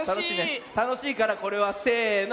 たのしいからこれはせの。